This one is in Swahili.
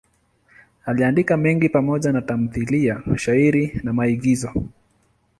Aliandika mengi pamoja na tamthiliya, shairi na maigizo.